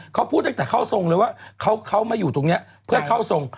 เขาพูดตั้งแต่เข้าทรงเลยว่าเขามาอยู่ตรงนี้เพื่อเข้าทรง